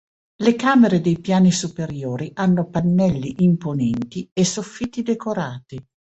Le camere dei piani superiori hanno pannelli imponenti e soffitti decorati.